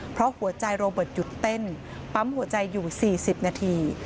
เพราะหัวใจโรเบิร์ตหยุดเต้นปั๊มหัวใจอยู่๔๐นาที